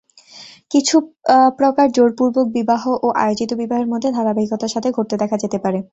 কিছু প্রকার জোরপূর্বক বিবাহ ও আয়োজিত বিবাহের মধ্যে ধারাবাহিকতার সাথে ঘটতে দেখা যেতে পারে।